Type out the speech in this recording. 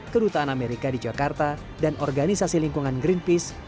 kedutaan amerika di jakarta dan organisasi lingkungan greenpeace